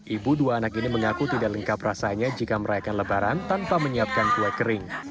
ibu dua anak ini mengaku tidak lengkap rasanya jika merayakan lebaran tanpa menyiapkan kue kering